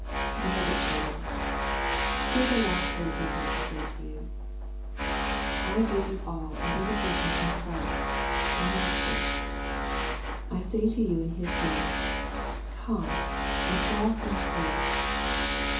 Beloved children, hear the last words I have to say to you. I give you all an invitation from Christ, my Master : I say to you in His name, Come and walk in truth.